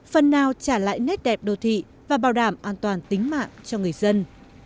phần nào trả lại nét đẹp đô thị và bảo đảm an toàn tính mạng cho người dân